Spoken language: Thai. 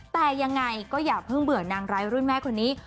แต่ยังไงก็อย่าเพิ่งเบื่อนางร้ายรุ่นแม่คนนี้